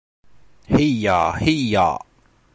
— Һи-йа, һи-йа!